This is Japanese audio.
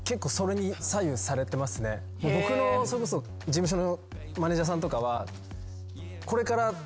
僕のそれこそ事務所のマネジャーさんとかは。